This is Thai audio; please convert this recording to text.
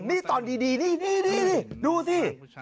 นี่ตอนดีนี่ดูสิ